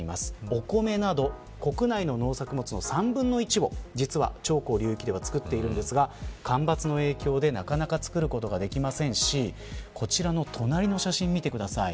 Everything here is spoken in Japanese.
お米など国内の農作物の３分の１を長江流域では作っているんですが干ばつの影響でなかなか作ることができませんしこちらの隣の写真を見てください。